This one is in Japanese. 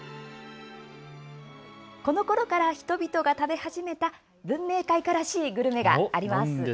このころから人々が食べ始めた文明開化らしいグルメがあります。